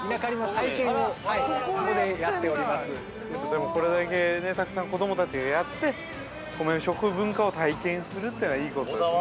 でも、これだけね、たくさん子供たちがやって、米食文化を体験するというのはいいことですね。